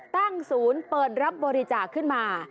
ตั้งศูนย์เปิดรับบริจาคขึ้นมา